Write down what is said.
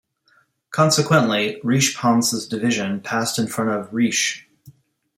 Consequently, Richepanse's division passed in front of Riesch.